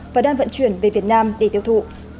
và đang vận chuyển về việt nam để tiêu thụ